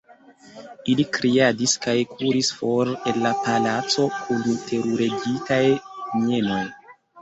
Ili kriadis kaj kuris for el la palaco kun teruregitaj mienoj!